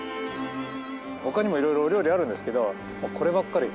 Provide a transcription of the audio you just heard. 他にも色々お料理あるんですけどこればっかり。